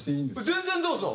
全然どうぞ。